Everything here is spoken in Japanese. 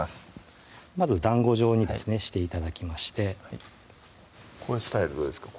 まずだんご状にですねして頂きましてこういうスタイルどうですか？